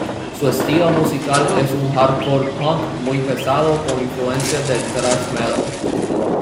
Su estilo musical es un hardcore punk muy pesado, con influencias del thrash metal.